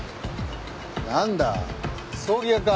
何だ葬儀屋か。